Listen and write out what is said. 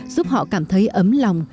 giúp họ cảm thấy ấm lòng